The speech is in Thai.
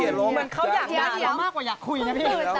เหมือนเขามากกว่าอยากคุยนะพี่